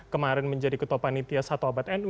kemarin menjadi ketua panitia satu abad nu